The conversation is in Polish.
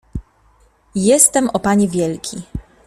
— Jestem, o panie wielki.